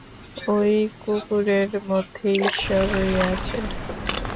ঐ কুকুরের মধ্যেই ঈশ্বর রহিয়াছেন।